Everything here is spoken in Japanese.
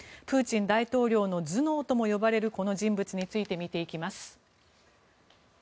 プーチン大統領の頭脳とも呼ばれるこの人物について見ていきます。